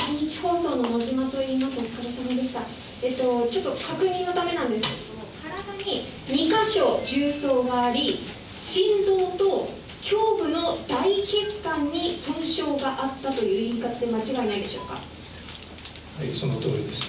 ちょっと確認のためなんですけれども、体に２か所銃創があり、心臓と胸部の大血管に損傷があったという言い方で間違いないでしそのとおりです。